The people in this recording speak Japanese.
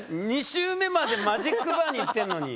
２周目までマジックバーに行ってんのに。